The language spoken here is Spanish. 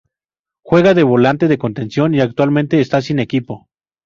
Juega de volante de contención y actualmente está sin equipo.